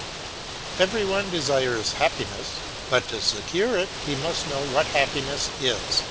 Every one desires happiness, but to secure it he must know what happiness is.